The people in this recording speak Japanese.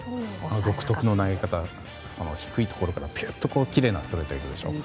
独特の投げ方、低いところからぴゅーっときれいなストレートが行くでしょ。